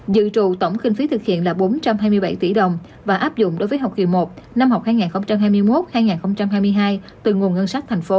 dự trụ tổng kinh phí thực hiện là bốn trăm hai mươi bảy tỷ đồng và áp dụng đối với học kỳ một năm học hai nghìn hai mươi một hai nghìn hai mươi hai từ nguồn ngân sách thành phố